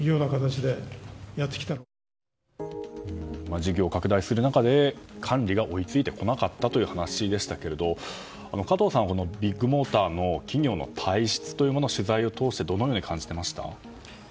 事業拡大する中で、管理が追い付いてこなかったという話でしたけども加藤さん、ビッグモーターの企業体質というのは取材を通してどのように感じていましたか？